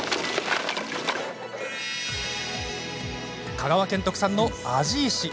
香川県特産の庵治石。